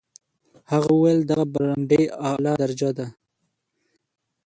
هغه وویل دغه برانډې اعلی درجه ده.